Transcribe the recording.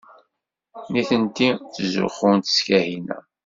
Nitenti ttzuxxunt s Kahina.